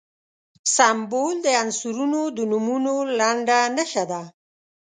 سمبول د عنصرونو د نومونو لنډه نښه ده.